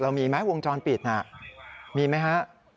มีไหมวงจรปิดน่ะมีไหมฮะ